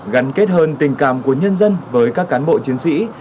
gắn kết hơn tình cảm của nhân dân với các cán bộ chiến sĩ